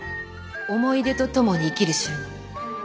思い出と共に生きる収納。